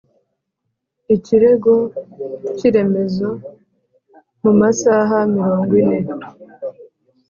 Ikirego cy iremezo mu masaha mirongo ine